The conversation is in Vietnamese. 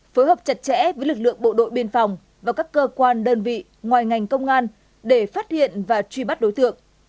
phối hợp chặt chẽ với lực lượng bộ đội biên phòng và các cơ quan đơn vị ngoài ngành công an để phát hiện và truy bắt đối tượng